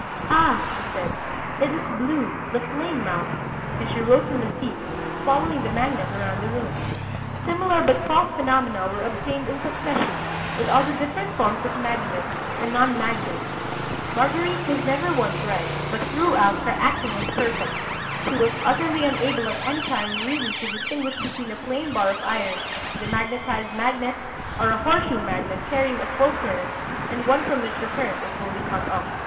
'Ah,' she said, 'it is blue, the flame mounts,' and she rose from her seat, following the magnet around the room. Similar but false phenomena were obtained in succession with all the different forms of magnet and non magnet; Marguerite was never once right, but throughout her acting was perfect; she was utterly unable at any time really to distinguish between a plain bar of iron, demagnetized magnet or a horseshoe magnet carrying a full current and one from which the current was wholly cut off."